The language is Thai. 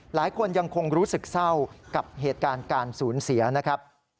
หลายคนยังคงรู้สึกเศร้ากับเหตุการณ์การสูญเสียนะครับ